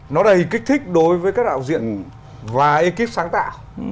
nó đầy kích thích đối với các đạo diện và ekip sáng tạo